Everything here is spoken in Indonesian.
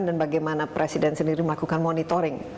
dan bagaimana presiden sendiri melakukan monitoring